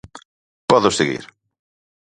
Podo seguir.